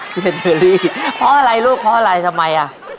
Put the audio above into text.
เจอรี่เพราะอะไรลูกเพราะอะไรทำไมอ่ะ